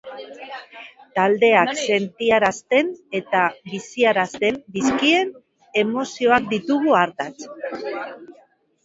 Taldeak sentiarazten eta biziarazten dizkien emozioak ditugu ardatz.